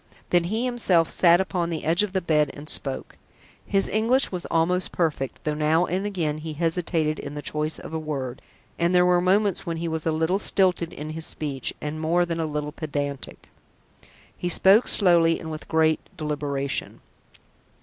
Then he himself sat upon the edge of the bed and spoke. His English was almost perfect, though now and again he hesitated in the choice of a word, and there were moments when he was a little stilted in his speech, and more than a little pedantic. He spoke slowly and with great deliberation.